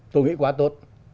tôi nghĩ quá tốt